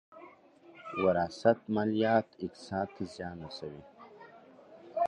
وراثت ماليات اقتصاد ته زیان رسوي.